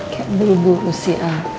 kayak bebu usia